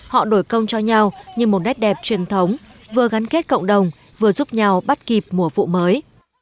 họ đổi công cho nhau như một nét đẹp truyền thống vừa gắn kết cộng đồng vừa giúp nhau bắt kịp mùa vụ mới